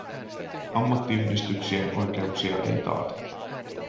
Ammattiyhdistyksien oikeuksia ei taata.